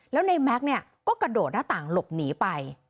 แล้วในแม็กซ์เนี่ยก็กระโดดหน้าต่างหลบหนีไป